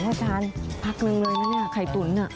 อาจารย์พักหนึ่งเลยนะเนี่ยไข่ตุ๋น